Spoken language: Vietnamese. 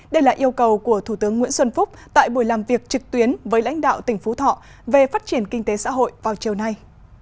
đây là yêu cầu của thủ tướng nguyễn xuân phúc tại buổi làm việc trực tuyến với lãnh đạo tỉnh phú thọ về phát triển kinh tế xã hội vào chiều nay